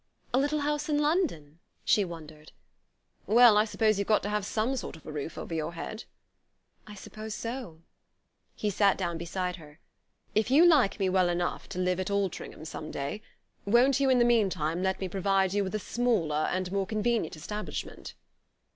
"A little house in London ?" She wondered. "Well, I suppose you've got to have some sort of a roof over your head." "I suppose so." He sat down beside her. "If you like me well enough to live at Altringham some day, won't you, in the meantime, let me provide you with a smaller and more convenient establishment?"